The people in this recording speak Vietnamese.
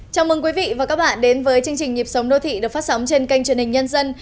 chào mừng quý vị và các bạn đến với chương trình nhịp sống đô thị được phát sóng trên kênh truyền hình nhân dân